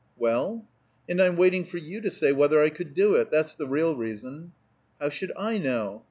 "Well?" "And I'm waiting for you to say whether I could do it. That's the real reason." "How should I know?"